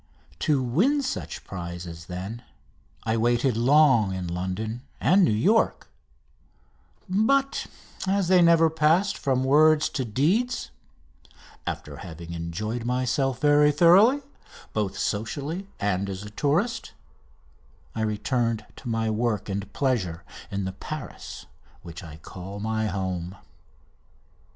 To win such prizes, then, I waited long in London and New York; but, as they never passed from words to deeds, after having enjoyed myself very thoroughly, both socially and as a tourist, I returned to my work and pleasure in the Paris which I call my home.